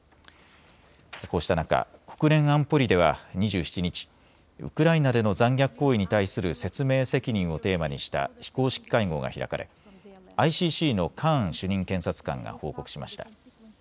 こうした中、国連安保理では２７日、ウクライナでの残虐行為に対する説明責任をテーマにした非公式会合が開かれＩＣＣのカーン主任検察官が報告しました。